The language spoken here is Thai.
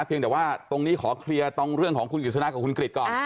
เพียงแต่ว่าตรงนี้ขอเคลียร์ตรงเรื่องของคุณกิจสนากับคุณกริจก่อน